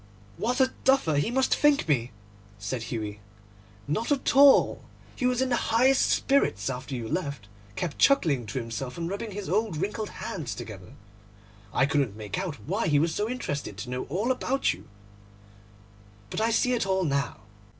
'What a duffer he must think me!' said Hughie. 'Not at all. He was in the highest spirits after you left; kept chuckling to himself and rubbing his old wrinkled hands together. I couldn't make out why he was so interested to know all about you; but I see it all now.